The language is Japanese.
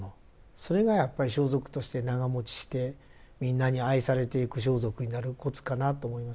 それがやっぱり装束として長もちしてみんなに愛されていく装束になるコツかなと思います。